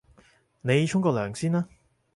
你沖個涼先啦